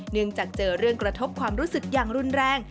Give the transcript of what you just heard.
จากเจอเรื่องกระทบความรู้สึกอย่างรุนแรง